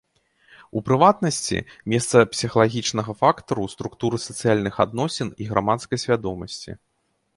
У прыватнасці, месца псіхалагічнага фактару ў структуры сацыяльных адносін і грамадскай свядомасці.